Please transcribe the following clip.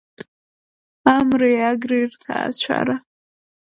Амреи Агреи рҭаацәара.